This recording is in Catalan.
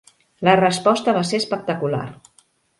La resposta va ser espectacular.